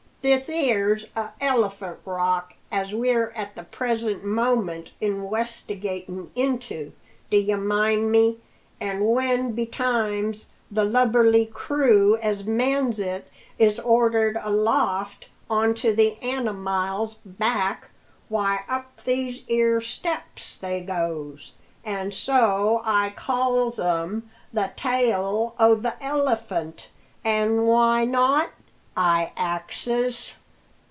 This 'ere's a Elephant Rock as we're at the present moment inwestigatin' into, d'ye mind me, an' when betimes the lubberly crew as mans it is ordered aloft onto the animile's back, why, up these 'ere steps they goes. An' so I calls 'em the tail o' the 'Elephant' an' why not? I axes."